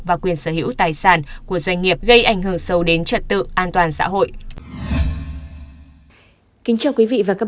và quyền sở hữu tài sản của doanh nghiệp gây ảnh hưởng sâu đến trật tự an toàn xã hội